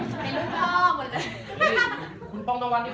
ชิคกี้พายเอาไว้